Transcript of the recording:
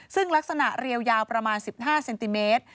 ซึ่งลักษณะเรียวยาวประมาณ๑๕เซนติเมตร